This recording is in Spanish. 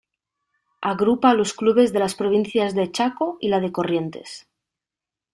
Agrupa a los clubes de las provincias de Chaco y la de Corrientes.